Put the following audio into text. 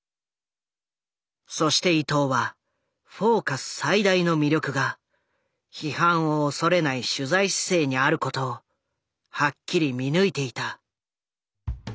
そして伊藤は「フォーカス」最大の魅力が批判を恐れない取材姿勢にあることをはっきり見抜いていた。